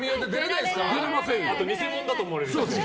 偽物だと思われる。